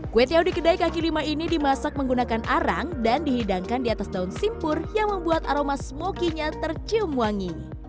kue tiau di kedai kaki lima ini dimasak menggunakan arang dan dihidangkan di atas daun simpur yang membuat aroma smoky nya tercium wangi